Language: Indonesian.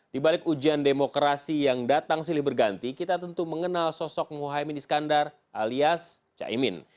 di balik ujian demokrasi yang datang silih berganti kita tentu mengenal sosok muhaymin iskandar alias caimin